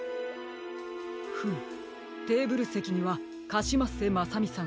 フムテーブルせきにはカシマッセまさみさん